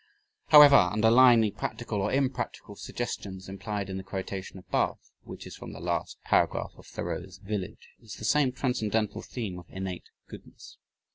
However, underlying the practical or impractical suggestions implied in the quotation above, which is from the last paragraph of Thoreau's Village, is the same transcendental theme of "innate goodness."